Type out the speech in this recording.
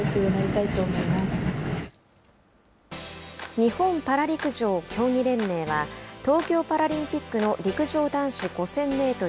日本パラ陸上競技連盟は東京パラリンピックの陸上男子５０００メートル